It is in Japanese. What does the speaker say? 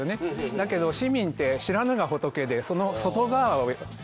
だけど市民って、知らぬが仏でその外側をいく。